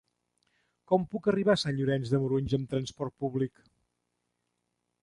Com puc arribar a Sant Llorenç de Morunys amb trasport públic?